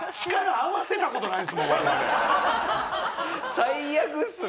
最悪っすね。